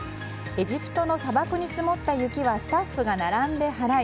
エジプトの砂漠に積もった雪はスタッフが並んで払い